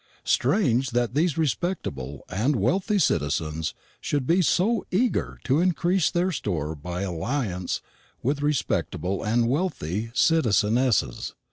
Strange that these respectable and wealthy citizens should be so eager to increase their store by alliance with respectable and wealthy citizenesses.